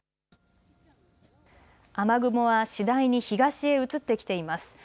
雨雲は次第に東へ移ってきています。